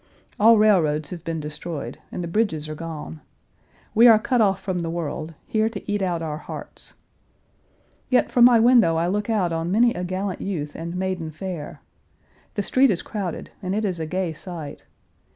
All railroads have been destroyed and the bridges are gone. We are cut off from the world, here to eat out our hearts. Yet from my window I look out on many a gallant youth and maiden fair. The street is crowded and it is a gay sight.